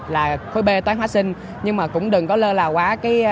là khối b toán hóa sinh nhưng mà cũng đừng có lơ lào quá